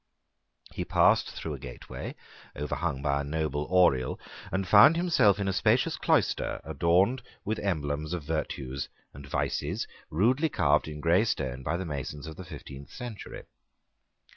He passed through a gateway overhung by a noble orie , and found himself in a spacious cloister adorned with emblems of virtues and vices, rudely carved in grey stone by the masons of the fifteenth century.